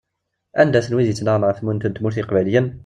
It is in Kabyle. Anda-ten wid ittnaɣen ɣef timunent n tmurt n Iqbayliyen?